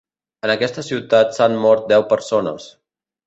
En aquesta ciutat s’han mort deu persones.